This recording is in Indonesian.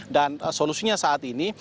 dan solusinya saat ini